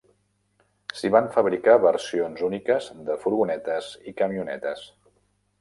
S'hi van fabricar versions úniques de furgonetes i camionetes.